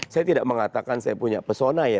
saya tidak mengatakan saya punya pesona ya